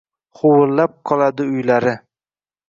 Huvillab qoladi uylari